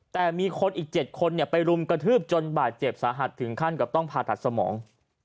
แต่มีคนอีกเจ็ดคนเนี่ยไปลุมกระทืบจนบาดเจ็บสาหัสถึงขั้นกับต้องพาทัศน์สมอง